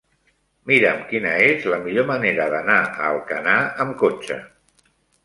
Mira'm quina és la millor manera d'anar a Alcanar amb cotxe.